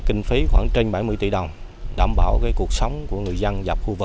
kinh phí khoảng trên bảy mươi tỷ đồng đảm bảo cuộc sống của người dân